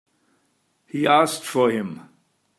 He asked for him.